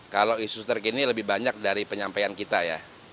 kalau isu terkini lebih banyak dari penyampaian kita ya